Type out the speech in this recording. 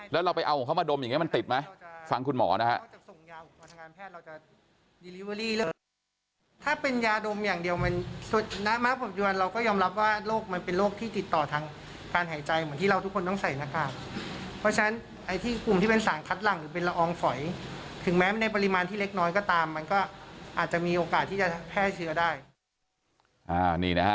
แล้วเราไปเอาของเขามาดมอย่างนี้มันติดไหมฟังคุณหมอนะฮะ